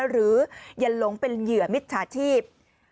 หรืออย่าหลงเป็นเหยื่อมิจฉาชีพ